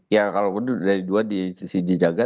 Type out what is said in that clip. ya kalau dari dua di sisi dijaga